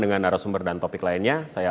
dengan narasumber dan topik lainnya saya